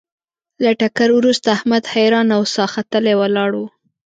له ټکر ورسته احمد حیران او ساه ختلی ولاړ و.